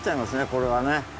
これはね。